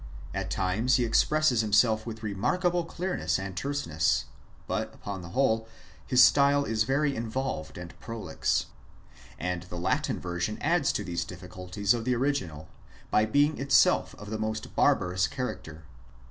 At times he expresses himself with remarkable clear ness and terseness ; but, upon the whole, his style is very in volved and prolix. And the Latin version adds to these diffi culties of the original, by being itself of the most barbarous character.